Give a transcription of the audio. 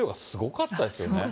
すごかったです。